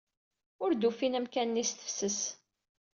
Ur d-ufin amkan-nni s tefses.